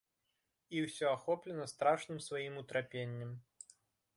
І ўсё ахоплена страшным сваім утрапеннем.